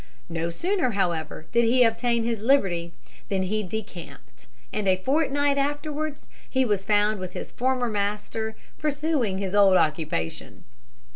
No sooner, however, did he obtain his liberty, than he decamped; and a fortnight afterwards he was found with his former master, pursuing his old occupation.